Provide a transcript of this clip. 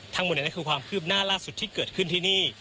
ทั้งหมดนั้นคือความคืบหน้าล่าสุดที่เกิดขึ้นที่นี่